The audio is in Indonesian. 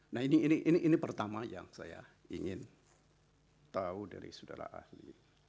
nah ini pertama yang saya ingin tahu dari saudara ahli